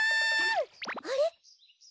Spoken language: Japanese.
あれ？